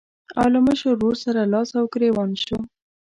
او له مشر ورور سره لاس او ګرېوان شو.